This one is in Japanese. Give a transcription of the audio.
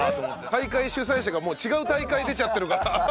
大会主催者がもう違う大会に出ちゃってるから。